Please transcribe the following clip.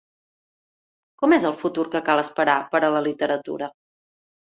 Com és el futur que cal esperar per a la literatura?